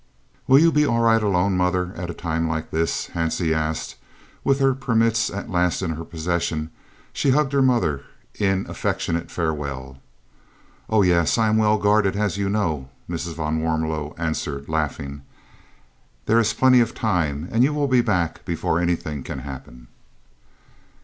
"Will you be all right alone, mother, at a time like this?" Hansie asked, as, with her permits at last in her possession, she hugged her mother in affectionate farewell. "Oh yes, I am well guarded, as you know," Mrs. van Warmelo answered, laughing; "there is plenty of time, and you will be back before anything can happen."